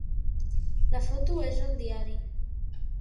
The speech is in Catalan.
La foto és al diari!